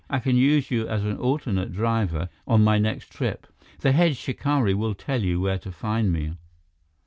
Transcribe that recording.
"I can use you as an alternate driver on my next trip. The head shikari will tell you where to find me."